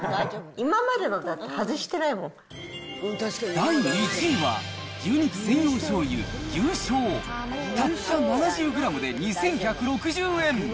今までのもだって、外してないも第１位は、牛肉専用しょうゆ、牛醤。たった７０グラムで２１６０円。